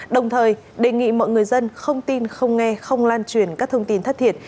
đồng thời đề nghị mọi người dân không tin không nghe không lan truyền các thông tin thất thiệt